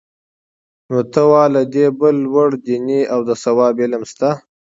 نو ته وا له دې بل لوړ دیني او د ثواب علم شته؟